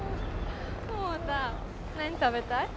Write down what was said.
百太何食べたい？